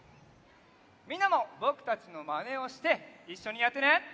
みんなもぼくたちのまねをしていっしょにやってね！